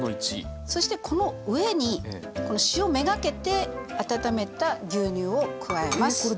そしてこの上にこの塩目がけて温めた牛乳を加えます。